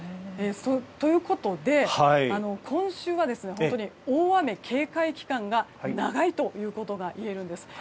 ということで、今週は本当に大雨警戒期間が長いということがいえるんです。